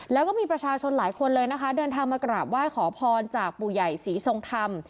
แล้วก็มีประชาชนหลายคนเลยนะคะเดินทางมากราบไหว้ขอพรจากปู่ใหญ่ศรีทรงธรรม